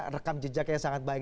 rekam jejaknya sangat baik